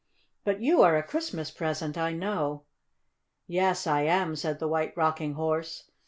But you are a Christmas present, I know." "Yes, I am," said the White Rocking Horse.